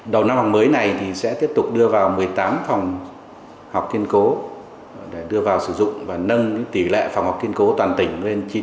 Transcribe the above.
đầu năm học mới này sẽ tiếp tục đưa vào một mươi tám phòng học kiên cố để đưa vào sử dụng và nâng tỷ lệ phòng học kiên cố toàn tỉnh